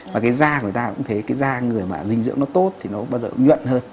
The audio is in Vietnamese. và cái da của người ta cũng thấy cái da người mà dinh dưỡng nó tốt thì nó bao giờ nhuận hơn